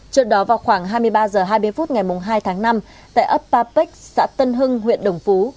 trước đó vào khoảng hai mươi ba h hai mươi phút ngày hai tháng năm tại ấp papec xã tân hưng huyện đồng phú